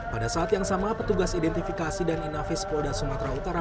pada saat yang sama petugas identifikasi dan inafis polda sumatera utara